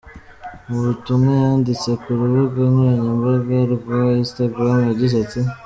Mu butumwa yanditse ku rubuga nkoranyambaga rwa Instagram, yagize ati:.